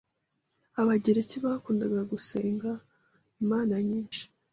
Abagereki bakundaga gusenga imana nyinshi.